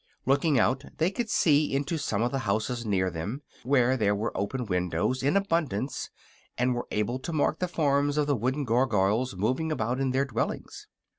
Looking out, they could see into some of the houses near them, where there were open windows in abundance, and were able to mark the forms of the wooden Gargoyles moving about in their dwellings.